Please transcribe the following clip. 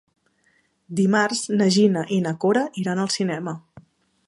Dimarts na Gina i na Cora iran al cinema.